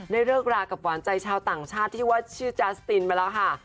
ได้เริ่มประการวันใจกับชาวต่างชาติที่ว่าชื่อจาสตินไปแล้วค่ะ